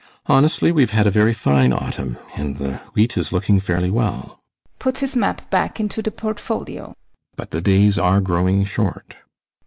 Honestly, we have had a very fine autumn, and the wheat is looking fairly well. [Puts his map back into the portfolio] But the days are growing short.